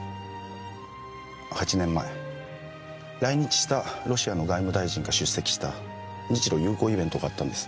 ８年前来日したロシアの外務大臣が出席した日露友好イベントがあったんです。